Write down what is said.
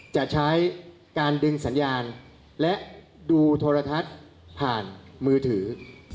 จะใช้การดึงสัญญาณและดูโทรทัศน์ผ่านมือถือ